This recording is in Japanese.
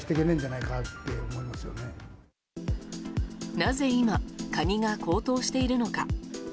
なぜ今カニが高騰しているのか。